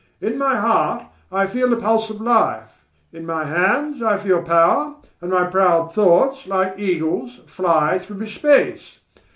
In my heart I feel the pulse of life; in my hands I feel power, and my proud thoughts, like eagles, fly through space.